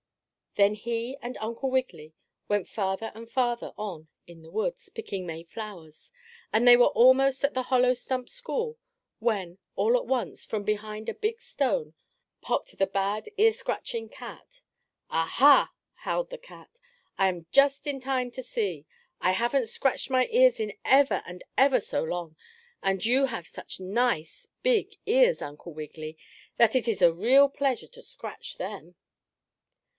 Then he and Uncle Wiggily went farther and farther on in the woods, picking May flowers, and they were almost at the hollow stump school when, all at once, from behind a big stone popped the bad ear scratching cat. "Ah, ha!" howled the cat. "I am just in time I see. I haven't scratched any ears in ever and ever so long. And you have such nice, big ears, Uncle Wiggily, that it is a real pleasure to scratch them!"